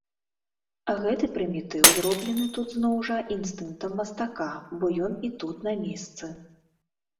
Гэты прымітыў зроблены тут зноў жа інстынктам мастака, бо ён і тут на месцы.